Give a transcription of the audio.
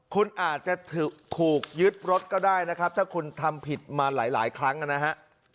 คุณอาจจะถูกยึดรถก็ได้นะครับถ้าคุณทำผิดมาหลายครั้งนะฮะ